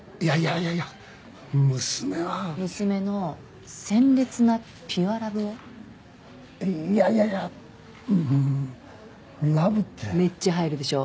いやいや娘は娘の鮮烈なピュアラブをいやいやいやラブってめっちゃ入るでしょ？